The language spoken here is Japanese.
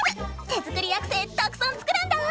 手作りアクセたくさん作るんだぁ！